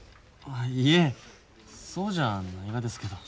あいえそうじゃないがですけど。